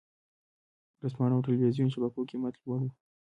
ورځپاڼو او ټلویزیون شبکو قېمت لوړ و.